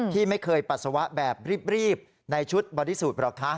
ที่ไม่เคยปัสสาวะแบบรีบในชุดบอดี้สูตรหรอกครั้ง